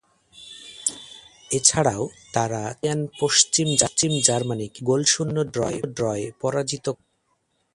এছাড়াও তারা চ্যাম্পিয়ন পশ্চিম জার্মানিকে গোলশূন্য ড্রয়ে পরাজিত করে।